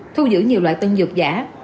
thu giữ nhiều loại tân dược giả